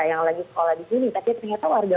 yang lagi sekolah di sini tapi ternyata warga